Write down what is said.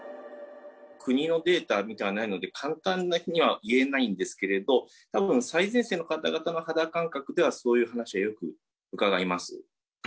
国のデータがないので、簡単にはいえないんですけれども、たぶん、最前線の方々の肌感覚では、そういう話はよく伺います。